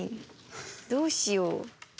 どうしよう。